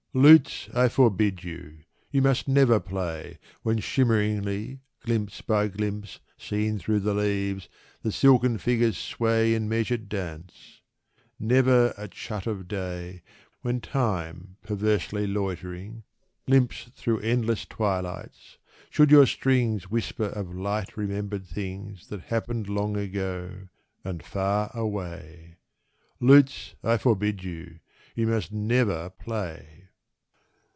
Lutes, I forbid you! You must never play, When shimmeringly, glimpse by glimpse Seen through the leaves, the silken figures sway In measured dance. Never at shut of day, When Time perversely loitering limps Through endless twilights, should your strings Whisper of light remembered things That happened long ago and far away: Lutes, I forbid you! You must never play...